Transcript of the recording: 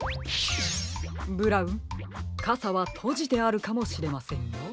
ブラウンかさはとじてあるかもしれませんよ。